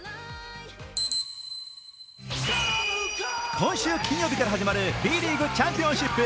今週金曜日から始まるＢリーグチャンピオンシップ。